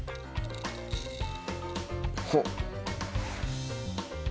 ほっ！